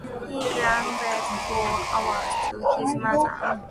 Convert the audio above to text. He grumbled for hours to his mother.